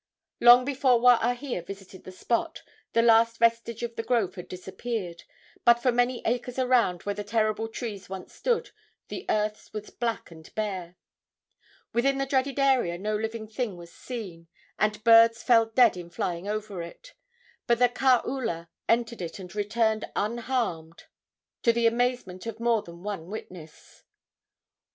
Long before Waahia visited the spot the last vestige of the grove had disappeared, but for many acres around where the terrible trees once stood the earth was black and bare. Within the dreaded area no living thing was seen, and birds fell dead in flying over it. But the kaula entered it and returned unharmed, to the amazement of more than one witness.